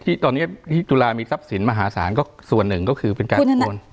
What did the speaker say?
ที่ตอนนี้ที่จุฬามีทรัพย์สินมหาศาลก็ส่วนหนึ่งก็คือเป็นการโอน